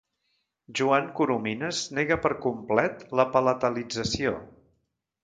Joan Coromines nega per complet la palatalització.